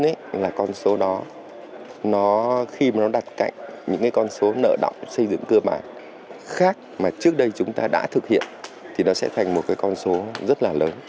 con số một mươi năm tỷ là con số đó khi mà nó đặt cạnh những con số nợ động xây dựng cơ bản khác mà trước đây chúng ta đã thực hiện thì nó sẽ thành một con số rất là lớn